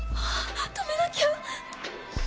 止めなきゃ！